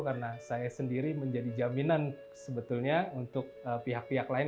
karena saya sendiri menjadi jaminan sebetulnya untuk pihak pihak lain